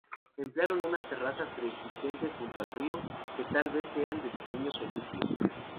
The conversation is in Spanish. Emplearon unas terrazas preexistentes junto al río, que tal vez sean de diseño Fenicio.